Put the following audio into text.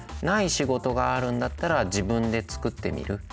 ない仕事があるんだったら自分で作ってみる。